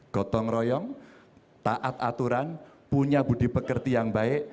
gotong royong taat aturan punya budi pekerti yang baik